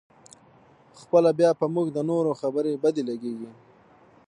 خپله بیا په موږ د نورو خبرې بدې لګېږي.